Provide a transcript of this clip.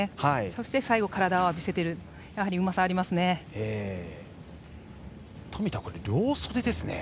そして最後、体をあびせてるやはりうまさがありますね。